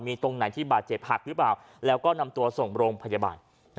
มีตรงไหนที่บาดเจ็บหักหรือเปล่าแล้วก็นำตัวส่งโรงพยาบาล